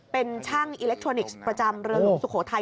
เป็นช่างอิเล็กทรอนิกส์ประจำเรือหลวงสุโขทัย